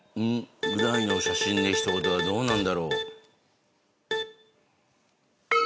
う大の写真で一言はどうなんだろう？